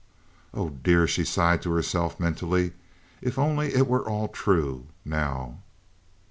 "Oh, dear!" she sighed to herself, mentally. "If only it were all true—now."